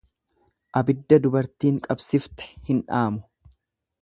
Abidda dubartiin qabsifte, hin dhaamu.